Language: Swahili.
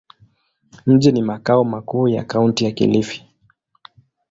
Mji ni makao makuu ya Kaunti ya Kilifi.